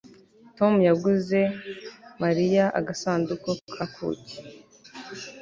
Tom yaguze Mariya agasanduku ka kuki